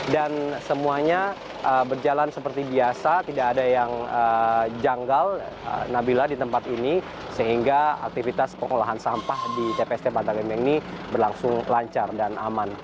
dan semuanya berjalan seperti biasa tidak ada yang janggal nabila di tempat ini sehingga aktivitas pengolahan sampah di tpst bantar gebang ini berlangsung lancar dan aman